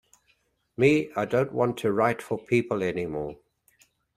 Me, I don't want to write for people anymore.